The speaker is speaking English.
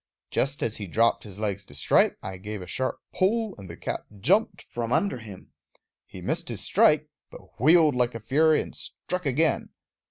Just as he dropped his legs to strike, I gave a sharp pull, and the cap jumped from under him. He missed his strike, but wheeled like a fury and struck again.